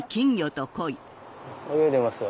泳いでますよ。